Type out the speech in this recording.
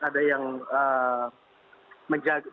ada yang berhubungan